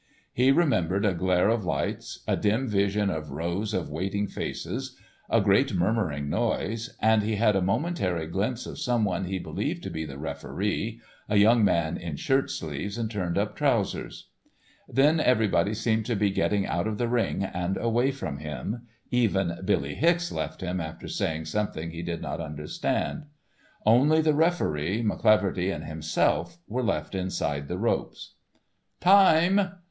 He remembered a glare of lights, a dim vision of rows of waiting faces, a great murmuring noise, and he had a momentary glimpse of someone he believed to be the referee, a young man in shirtsleeves and turned up trousers. Then everybody seemed to be getting out of the ring and away from him, even Billy Hicks left him after saying something he did not understand. Only the referee, McCleaverty and himself were left inside the ropes. "Time!"